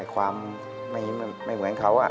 ความไม่เหมือนเขา